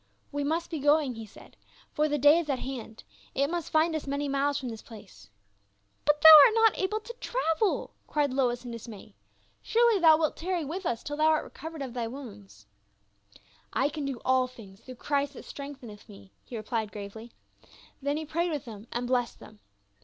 "We must be going," he said, "for the day is at hand ; it must finti us man}' miles from this place." " But thou art not able to travel," cried Lois in THE CALLING OF TIMOTHY. 309 dismay. " Surely thou wilt tarry with us till thou art recovered of thy wounds." " I can do all things through Christ that strength eneth me," he replied gravely. Then he prayed with them and blessed them.